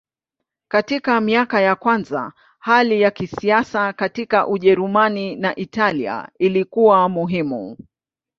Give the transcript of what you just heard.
Katika miaka ya kwanza hali ya kisiasa katika Ujerumani na Italia ilikuwa muhimu.